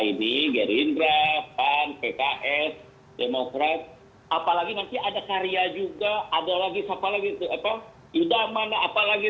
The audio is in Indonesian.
ini gerindra pan pks demokrat apalagi nanti ada karya juga ada lagi siapa lagi udah mana apalagi